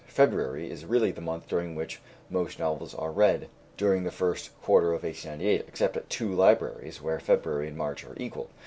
February is really the month during which most novels were read during the first quarter of 1898, except at two libraries, where February and March are equal.